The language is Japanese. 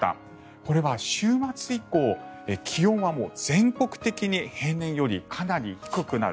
これは週末以降、気温は全国的に平年よりかなり低くなる。